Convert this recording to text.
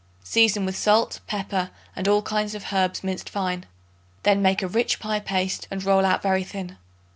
Season with salt, pepper and all kinds of herbs minced fine. Then make a rich pie paste and roll out very thin.